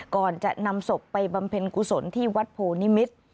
ก่อนจะนำศพไปบำเพ็ญกุศลที่วัดโพนิมิตร